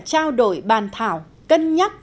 trao đổi bàn thảo cân nhắc